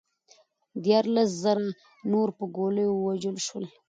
دیارلس زره نور پر ګولیو ووژل شول